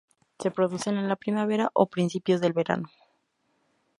Se producen en la primavera o principios del verano.